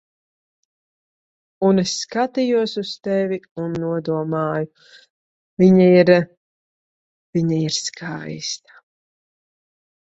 Un es skatījos uz tevi un nodomāju: "Viņa ir... Viņa ir skaista."